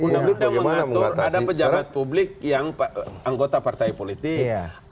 undang undang mengatur ada pejabat publik yang anggota partai politik